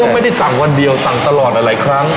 ไม่ได้สั่งวันเดียวสั่งตลอดหลายครั้ง